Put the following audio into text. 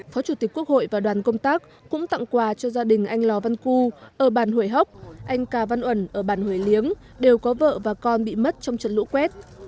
phó chủ tịch quốc hội và đoàn công tác cũng tặng quà cho gia đình anh lò văn cưu ở bản hồi hốc anh cà văn uẩn ở bản hồi liếng đều có vợ và con bị mất trong trận lũ quét